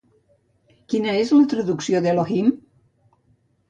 Quina és la traducció d'Elohim?